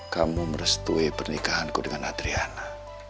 kamu merestui pernikahanku dengan adriana